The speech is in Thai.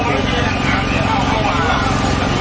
กินกว่าอีกแล้วนะครับ